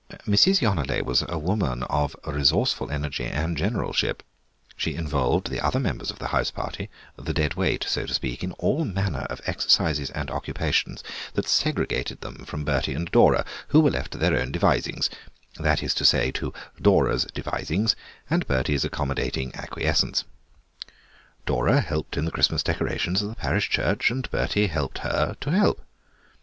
Mrs. Yonelet was a woman of resourceful energy and generalship; she involved the other members of the house party, the deadweight, so to speak, in all manner of exercises and occupations that segregated them from Bertie and Dora, who were left to their own devisings—that is to say, to Dora's devisings and Bertie's accommodating acquiescence. Dora helped in the Christmas decorations of the parish church, and Bertie helped her to help.